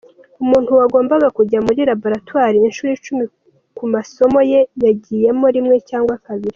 Umuntu wagombaga kujya muri laboratwari incuro icumi ku masomo ye yagiyemo rimwe cyangwa kabiri.